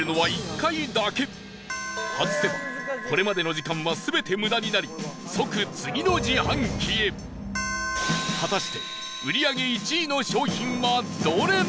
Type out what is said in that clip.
外せば、これまでの時間は全て無駄になり即、次の自販機へ果たして売り上げ１位の商品はどれなのか？